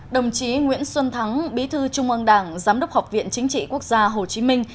đồng chí nguyễn xuân thắng bí thư trung ương đảng giám đốc học viện chính trị quốc gia hồ chí minh